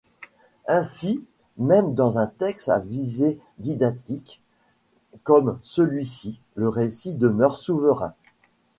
Ainsi, même dans un texte à visée didactique comme celui-ci, le récit demeure souverain.